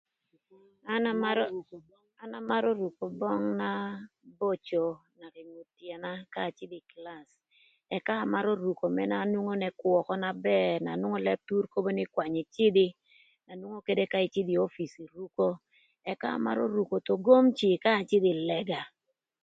An amarö, an amarö ruko böng na boco naka ï ngut tyëna ka acïdhö ï kïlac ëka amarö ruko ën na nwongo n'ëkwö ökö na bër na nwongo Lëb Thur kobo nï kwany ïcïdhï na nwongo këdë ka ïcïdhö ï opic ï ruko, ëka amarö ruko thon gomci ka acïdhö ï lëga.